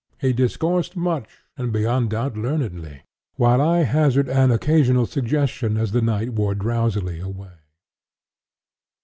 He discoursed much, and beyond doubt, learnedly; while I hazarded an occasional suggestion as the night wore drowsily away.